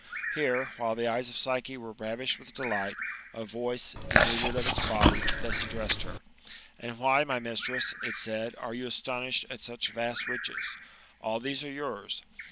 Here, while the eyes of Psyche were ravished with delight, a voice, denudated of its body, thus addressed her :" And why, my mistress,'' it said, " are you astonished at such vast riches ? All these are yours.